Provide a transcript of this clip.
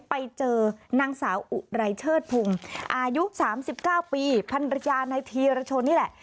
ไปเจอนางสาวอุไรเชิดพุงอายุ๓๙ปีพันรยานายธีรชนนี่แหละ